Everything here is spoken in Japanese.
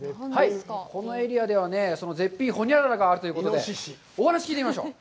このエリアでは、その絶品ホニャララがあるというで、お話を聞いてみましょう。